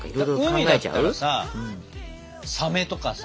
海だったらさサメとかさ。